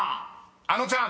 ［あのちゃん］